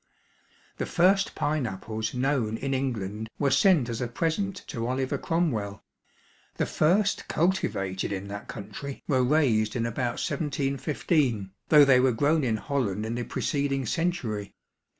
The first pineapples known in England were sent as a present to Oliver Cromwell; the first cultivated in that country were raised in about 1715, though they were grown in Holland in the preceding century.